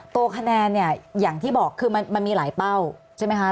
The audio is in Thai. ตัวคะแนนเนี่ยอย่างที่บอกคือมันมีหลายเป้าใช่ไหมคะ